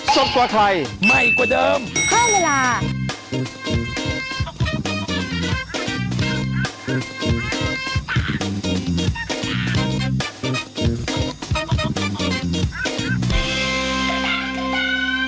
สวัสดีค่ะ